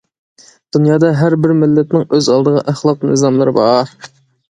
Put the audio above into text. دۇنيادا ھەر بىر مىللەتنىڭ ئۆز ئالدىغا ئەخلاق نىزاملىرى بار.